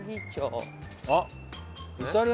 あっ。